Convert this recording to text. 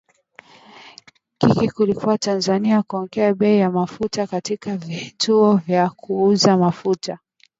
Wiki iliyopita, Tanzania iliongeza bei ya mafuta katika vituo vya kuuzia mafuta